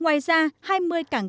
ngoài ra hai mươi cảng cá bến cá đường